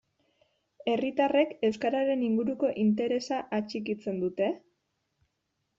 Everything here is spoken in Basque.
Herritarrek euskararen inguruko interesa atxikitzen dute?